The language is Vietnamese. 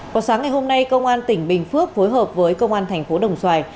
vào sáng ngày hôm nay công an tỉnh bình phước phối hợp với công an thành phố đồng xoài